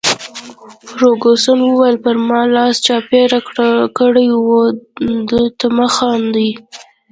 فرګوسن وویل: پر ما لاس چاپیره کړه، وه ده ته مه خاندي.